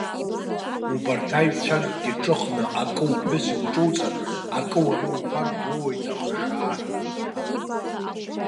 Убарҭ аҩҵәакгьы ҿыхны, акы уԥҳәыс илҿоуҵар, акы уара иуфар, дуоуеит ахшаа ҳәа.